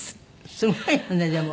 すごいよねでも。